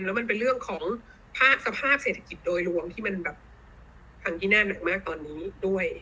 แล้วมันเป็นเรื่องของสภาพเศรษฐกิจโดยรวมที่มันแบบพังที่น่าหนักมากตอนนี้ด้วย